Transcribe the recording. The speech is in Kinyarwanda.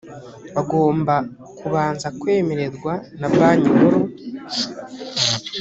agomba kubanza kwemererwa na banki nkuru